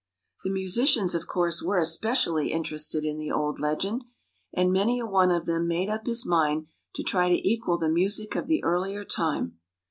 The musicians, of course, were especially interested in the old legend, and many a one of them made up his mind to try to equal the music of the earlier time.